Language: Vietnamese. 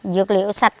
dược liệu sạch